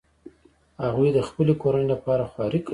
هغوی د خپلې کورنۍ لپاره خواري کوي